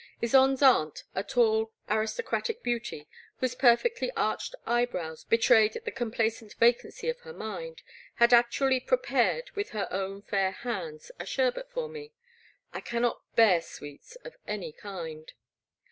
. Ysonde*s aunt, a tall aristocratic beauty, whose perfectly arched eye brows betrayed the compla cent vacancy of her mind, had actually prepared, with her own fair hands, a sherbet for me. I cannot bear sweets of any kind.